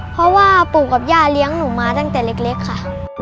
เพราะว่าปู่กับย่าเลี้ยงหนูมาตั้งแต่เล็กค่ะ